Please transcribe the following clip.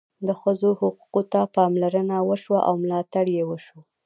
د ښځو حقوقو ته پاملرنه وشوه او ملاتړ یې وشو.